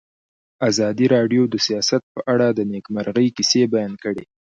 ازادي راډیو د سیاست په اړه د نېکمرغۍ کیسې بیان کړې.